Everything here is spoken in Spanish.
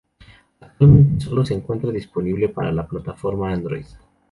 Actualmente solo se encuentra disponible para plataforma Android.